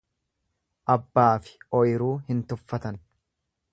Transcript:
Abbaafi ooyruu hin tuffatan.